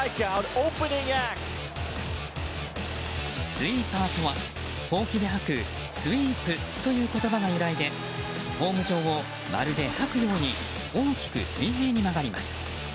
スイーパーとはほうきで掃くスイープという言葉が由来でホーム上を、まるで掃くように大きく水平に曲がります。